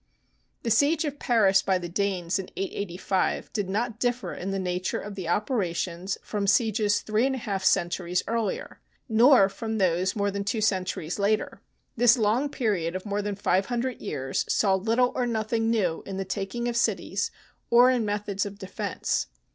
The siege of Paris by the Danes in 885 did not differ in the nature of the operations from sieges three and a half centuries earlier, nor from those more than two centuries later. This long period of more than five hundred years saw little or nothing new in the taking of cities or in methods of defence.